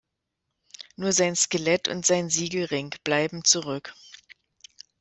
Nur sein Skelett und sein Siegelring bleiben zurück.